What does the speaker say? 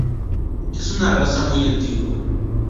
Es una raza muy antigua.